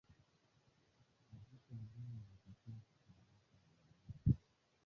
Dbeibah ambaye amekataa kukabidhi madaraka kwa Fathi Bashagha waziri wa zamani wa mambo ya ndani